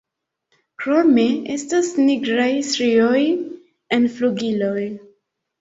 Krome estas nigraj strioj en flugiloj.